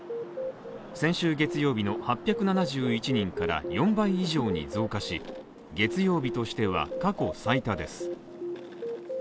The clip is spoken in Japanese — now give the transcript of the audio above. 先週月曜日の８７１人から４倍以上に増加し、月曜日としては過去最多です。